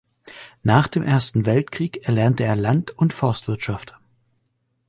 Nach dem Ersten Weltkrieg erlernte er Land- und Forstwirtschaft.